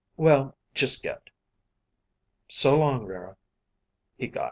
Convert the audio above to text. Well, just get." "So long, Rara."